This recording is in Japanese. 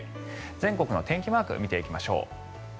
全国の天気マーク見ていきましょう。